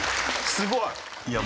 すごい。